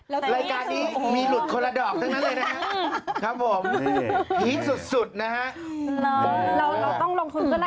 เราพูดไม่เก่งแต่ว่าเราจะลงแรงแทน